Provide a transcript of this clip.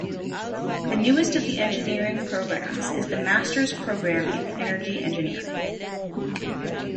The newest of the engineering programmes is the Master's Programme in Energy Engineering.